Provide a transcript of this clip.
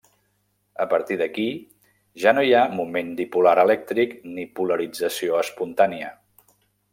A partir d'aquí ja no hi ha moment dipolar elèctric ni polarització espontània.